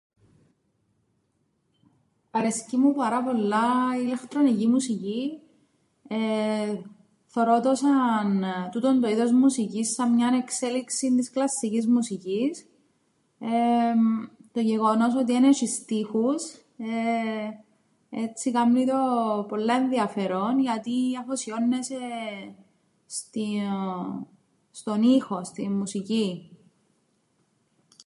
Αρέσκει μου πάρα πολλά η ηλεκτρονική μουσική, εεε θωρώ σαν- τούτον το είδος μουσικής σαν μιαν εξέλιξην της κλασσικής μουσικής. Εμ το γεγονός ότι εν έσ̆ει στίχους ε... έτσι κάμνει το πολλά ενδιαφέρον γιατί αφοσιώννεσαι στον ήχον, στην μουσικήν.